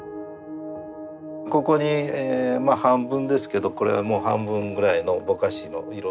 ここにまあ半分ですけどこれも半分ぐらいのぼかしの色の。